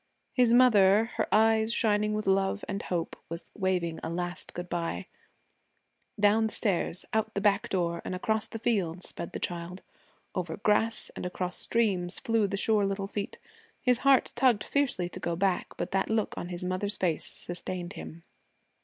His mother, her eyes shining with love and hope, was waving a last good bye. Down the stairs, out the back door, and across the fields sped the child. Over grass and across streams flew the sure little feet. His heart tugged fiercely to go back, but that look in his mother's face sustained him.